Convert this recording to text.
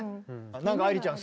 なんか愛理ちゃん